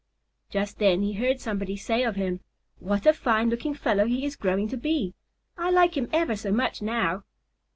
Just then he heard somebody say of him, "What a fine looking fellow he is growing to be! I like him ever so much now."